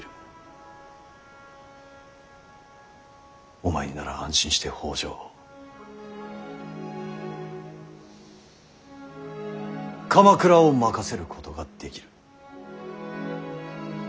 お前になら安心して北条を鎌倉を任せることができる。